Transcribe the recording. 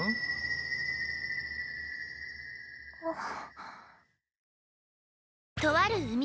あっ。